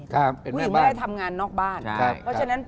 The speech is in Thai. ผู้หญิงไม่ได้ทำงานนอกบ้าน